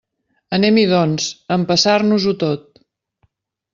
Anem-hi, doncs, a empassar-nos-ho tot.